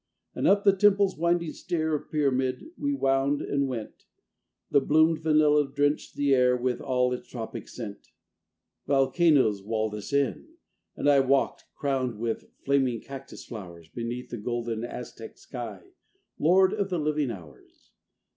And up the temple's winding stair Of pyramid we wound and went: The bloomed vanilla drenched the air With all its tropic scent. Volcanoes walled us in: and I Walked, crowned with flaming cactus flowers, Beneath the golden, Aztec sky, Lord of the living hours.